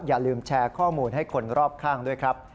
อย่าลืมแชร์ข้อมูลให้คนรอบข้างด้วยครับ